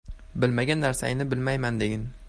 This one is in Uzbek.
Bilmagan narsangni bilmayman, degil;